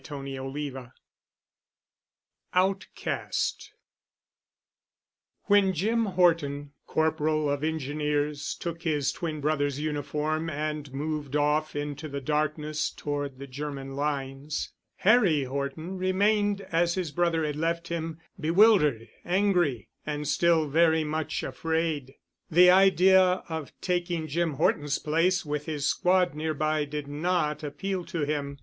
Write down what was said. *CHAPTER IV* *OUTCAST* When Jim Horton, Corporal of Engineers, took his twin brother's uniform and moved off into the darkness toward the German lines, Harry Horton remained as his brother had left him, bewildered, angry, and still very much afraid. The idea of taking Jim Horton's place with his squad nearby did not appeal to him.